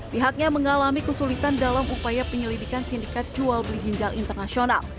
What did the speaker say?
pihaknya mengalami kesulitan dalam upaya penyelidikan sindikat jual beli ginjal internasional